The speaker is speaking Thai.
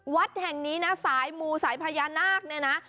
วัดแห่งนี้นะสายมูสายพญานาคเนี่ยนะ